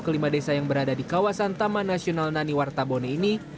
kelima desa yang berada di kawasan taman nasional naniwarta bone ini